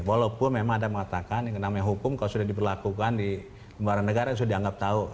walaupun memang ada yang mengatakan yang namanya hukum kalau sudah diberlakukan di lembaga negara sudah dianggap tahu